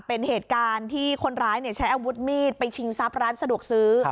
เป็นเหตุการณ์ที่คนร้ายใช้อาวุธมีดไปชิงทรัพย์ร้านสะดวกซื้อ